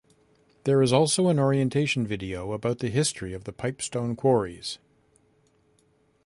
There is also an orientation video about the history of the pipestone quarries.